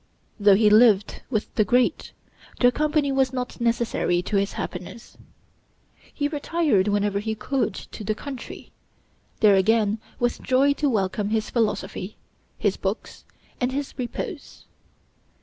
Though he lived with the great, their company was not necessary to his happiness. He retired whenever he could to the country; there again with joy to welcome his philosophy, his books, and his repose.